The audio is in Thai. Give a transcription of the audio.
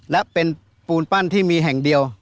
และเป็นปูนปั้นที่มีแห่งเดียว